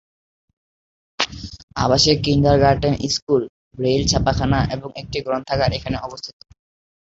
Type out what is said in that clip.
আবাসিক kindergarten school, Braille ছাপাখানা এবং একটি গ্রন্থাগার এখানে অবস্থিত।